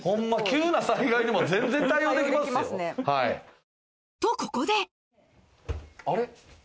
急な災害でも全然対応できますよ。とここであれ？